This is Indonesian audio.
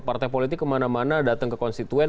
partai politik kemana mana datang ke konstituen